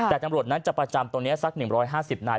แต่ตำรวจนั้นจะประจำตรงนี้สัก๑๕๐นาย